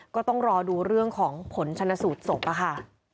ก็ต้องรอดูเรื่องของผลชนะสูตรศพค่ะ